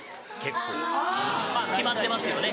決まってますよね